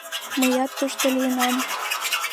Мыят тушто лийынам: